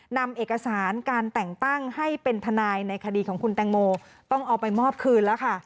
นำเอกสารการแต่งตั้งให้เป็นทนายในคดีของคุณแตงโมต้องเอาไปมอบคืนแล้วค่ะ